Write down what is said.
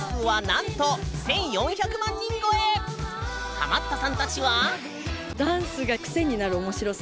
ハマったさんたちは。